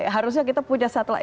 harusnya kita punya satelit